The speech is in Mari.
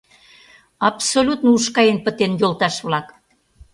Абсолютно уш каен пытен, йолташ-влак!